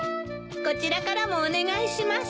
こちらからもお願いします。